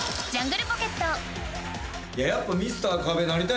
やっぱ。